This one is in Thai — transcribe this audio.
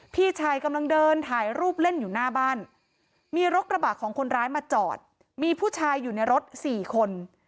พี่ชายกำลังเดินถ่ายรูปเล่นอยู่หน้าบ้านมีรถกระบะของคนร้ายมาจอดมีผู้ชายอยู่ในรถสี่คน